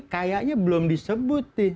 kayaknya belum disebut